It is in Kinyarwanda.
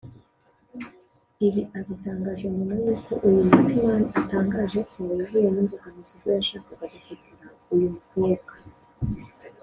Ibi abitangaje nyuma y’uko uyu Luqman atangaje ko yahuye n’imbogamizi ubwo yashakaga gufotora uyu mukobwa